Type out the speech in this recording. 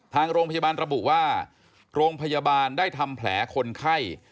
ทางโรงพยาบาลระบุว่าโรงพยาบาลได้ทำแผลคนไข้